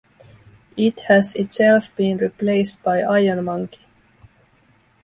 It has itself been replaced by IonMonkey.